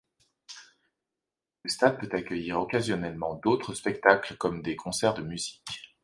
Le stade peut accueillir occasionnellement d'autres spectacles comme des concerts de musique.